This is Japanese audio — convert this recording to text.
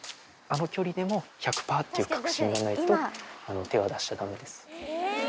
あの距離でも、１００パーっていう確信がないと、手は出しちゃだめです。